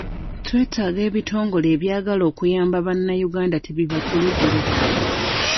Twetaaga ebitongole abyagala okuyamba bannayuganda tebibatulugunya.